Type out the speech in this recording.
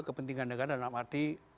kepentingan negara dalam arti